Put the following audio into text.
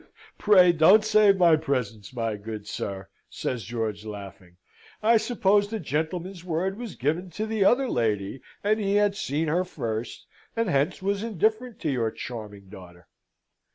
"Pray don't save my presence, my good sir," says George, laughing. "I suppose the gentleman's word was given to the other lady, and he had seen her first, and hence was indifferent to your charming daughter."